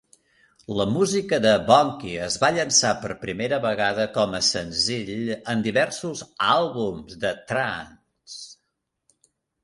La música de Bonky es va llançar per primera vegada com a senzill en diversos àlbums de "trance".